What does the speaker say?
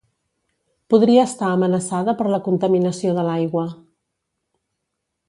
Podria estar amenaçada per la contaminació de l'aigua.